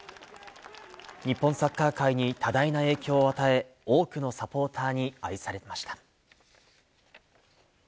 日本サッカー界に多大な影響を与え、多くのサポーターに愛されました。